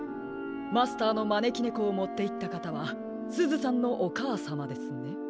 マスターのまねきねこをもっていったかたはすずさんのおかあさまですね？